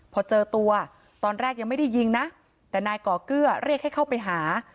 พอเจอตัวตอนแรกยังไม่ได้ยิงนะแต่นายก่อเกื้อเรียกให้เข้าไปหา